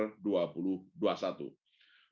perkembangan nilai tukar rupiah tersebut